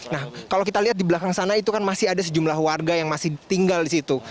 nah kalau kita lihat di belakang sana itu kan masih ada sejumlah warga yang masih tinggal di situ